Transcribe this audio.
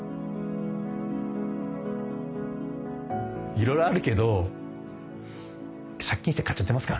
いろいろあるけど借金して買っちゃってますからね。